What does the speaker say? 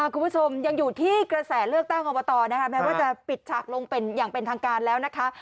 คุณผู้ชมยังอยู่ที่กระแสเลือกตั้งอบตนะคะแม้ว่าจะปิดฉากลงเป็นอย่างเป็นทางการแล้วนะคะ